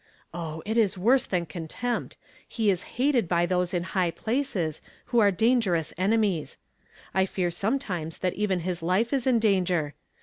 Oh ! it is worse than contempt ; he is hatinl by those in high places, who are dangerous enemies. I fear sometimes that even his life is in danger.